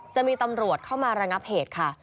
จะมีตำรวจเข้ามาระงับเหตุค่ะ